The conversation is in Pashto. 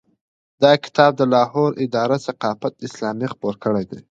دا کتاب د لاهور اداره ثقافت اسلامیه خپور کړی دی.